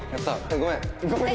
ごめん。